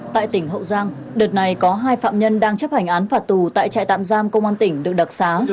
tại tỉnh hậu giang đợt này có hai phạm nhân đang chấp hành án phạt tù tại trại tạm giam công an tỉnh được đặc xá